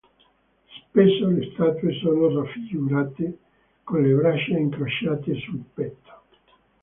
Spesso le statue sono raffigurate con le braccia incrociate sul petto.